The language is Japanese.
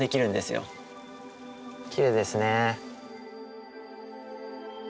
きれいですね。